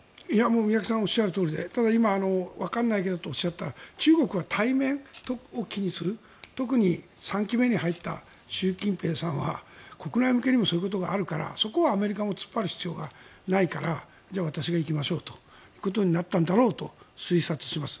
宮家さんがおっしゃるとおり中国は対面を気にする特に３期目に入った習近平さんは国内向けにもそういうことがあるからそこはアメリカも突っ張る必要がないからじゃあ私が行きましょうということになったんだろうと推測します。